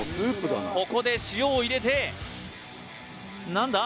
ここで塩を入れてなんだ？